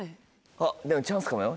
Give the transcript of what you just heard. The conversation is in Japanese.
あっでもチャンスかもよ。